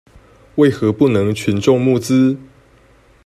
為何不能群眾募資？